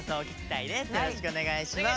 よろしくお願いします。